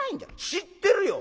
「知ってるよ」。